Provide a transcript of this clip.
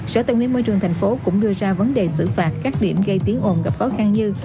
sở tài nguyên môi trường thành phố cũng đưa ra vấn đề xử phạt các điểm gây tiếng ồn gặp khó khăn như